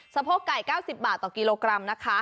โพกไก่๙๐บาทต่อกิโลกรัมนะคะ